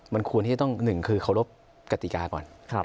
มันควรที่จะต้องหนึ่งคือเคารพกติกาก่อน